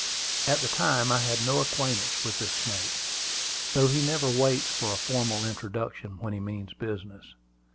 At the time I had no acquaintance with this snake, though he never waits for a formal introduction when he means business.